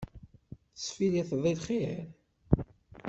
Tesfilliteḍ i lxir?